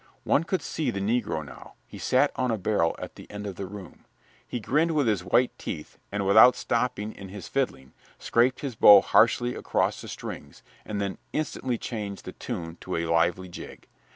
One could see the negro now; he sat on a barrel at the end of the room. He grinned with his white teeth and, without stopping in his fiddling, scraped his bow harshly across the strings, and then instantly changed the tune to a lively jig.